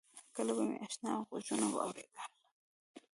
کله به مې آشنا غږونه واورېدل.